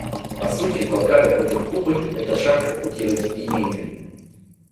По сути, блокада против Кубы — это шаг по пути разъединения.